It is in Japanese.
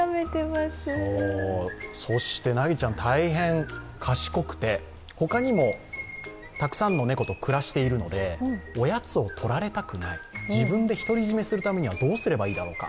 凪ちゃん、大変賢くて他にもたくさんの猫と暮らしているので、おやつを取られたくない、自分でひとり占めするためにはどうすればいいだろうか。